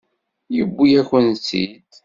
Yewwi-yakent-tt-id.